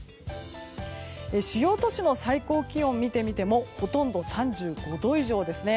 主要都市の最高気温を見てみてもほとんど３５度以上ですね。